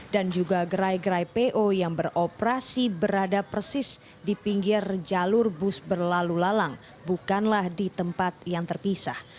dan juga gerai gerai po yang beroperasi berada persis di pinggir jalur bus berlalu lalang bukanlah di tempat yang terpisah